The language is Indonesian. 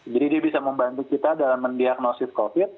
jadi dia bisa membantu kita dalam mendiagnosis covid sembilan belas